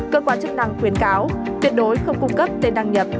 cơ quan chức năng khuyến cáo tuyệt đối không cung cấp tên đăng nhập